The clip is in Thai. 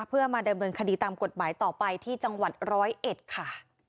เพื่อมาดำเนินคดีตามกฎหมายต่อไปที่จังหวัดร้อยเอ็ดค่ะ